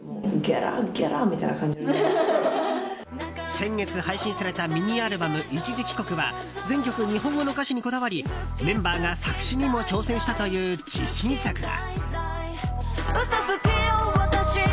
先月配信されたミニアルバム「一時帰国」は全曲、日本語の歌詞にこだわりメンバーが作詞にも挑戦したという自信作だ。